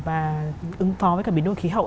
và ứng phó với cả biến đổi khí hậu